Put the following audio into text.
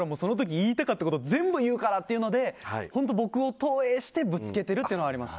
言いたかったこと全部言うからっていうので本当、僕を投影してぶつけてるというのはあります。